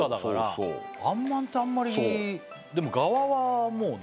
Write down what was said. そうあんまんってあんまりでもガワはもうね